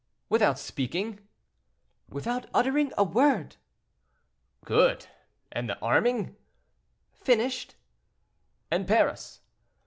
"Without speaking?" "Without uttering a word." "Good! and the arming?" "Finished." "And Paris?"